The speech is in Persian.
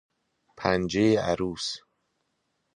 پنجه عروس